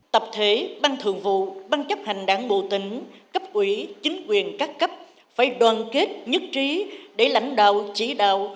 tập thể ban thường vụ ban chấp hành đảng bộ tỉnh cấp ủy chính quyền các cấp phải đoàn kết nhất trí để lãnh đạo chỉ đạo